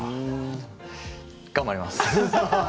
頑張ります。